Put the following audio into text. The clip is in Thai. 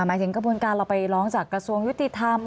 หมายถึงกระบวนการเราไปร้องจากกระทรวงยุติธรรม